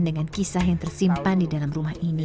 dengan kisah yang tersimpan di dalam rumah ini